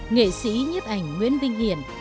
nghệ sĩ nhấp ảnh nguyễn vinh hiển